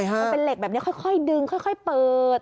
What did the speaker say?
มันเป็นเหล็กแบบนี้ค่อยดึงค่อยเปิด